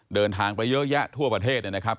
เดินทางไปเยอะแยะทั่วประเทศนะครับ